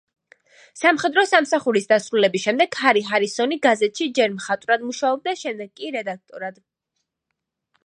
სამხედრო სამსახურის დასრულების შემდეგ ჰარი ჰარისონი გაზეთში ჯერ მხატვრად მუშაობდა, შემდეგ კი რედაქტორად.